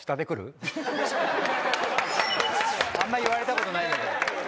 あんま言われたことないんだけど。